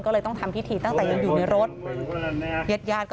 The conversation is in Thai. ก็เลยต้องทำพิธีตั้งแต่ยังอยู่ในรถ